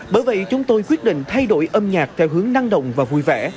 bởi vậy chúng tôi quyết định thay đổi âm nhạc theo hướng năng động và vui vẻ